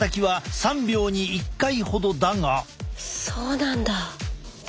そうなんだ。